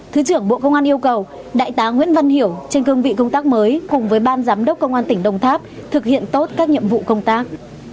thứ trưởng bộ công an yêu cầu đại tá nguyễn văn hiểu trên cương vị công tác mới cùng với ban giám đốc công an tỉnh đồng tháp thực hiện tốt các nhiệm vụ công tác